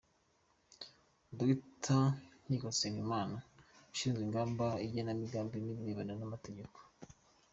Dr. Nkiko Nsengimana, Ushinzwe Ingamba, igenamigambi n’ibirebana n’amategeko